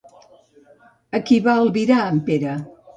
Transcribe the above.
A qui va albirar en Pere?